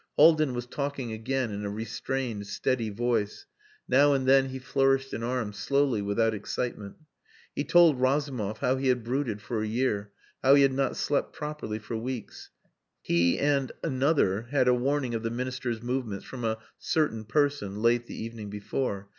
Haldin was talking again in a restrained, steady voice. Now and then he flourished an arm, slowly, without excitement. He told Razumov how he had brooded for a year; how he had not slept properly for weeks. He and "Another" had a warning of the Minister's movements from "a certain person" late the evening before.